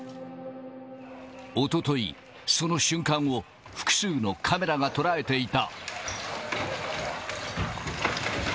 おととい、その瞬間を複数のカメラが捉えていた。